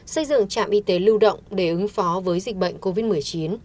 xây dựng trạm y tế lưu động để ứng phó với dịch bệnh covid một mươi chín